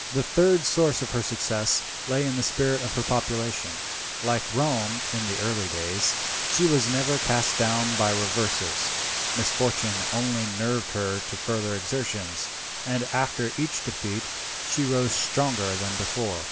The third source of her success lay in the spirit of her population. Like Rome in her early days, she was never cast down by reverses. Misfortune only nerved her to further exertions, and after each defeat she rose stronger than before.